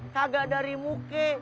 kagak dari muka